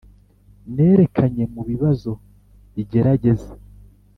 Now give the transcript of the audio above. nerekanye mubibazo bigerageza;